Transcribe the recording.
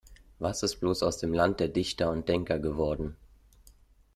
Was ist bloß aus dem Land der Dichter und Denker geworden?